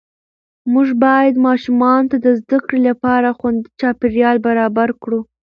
موږ باید ماشومانو ته د زده کړې لپاره خوندي چاپېریال برابر کړو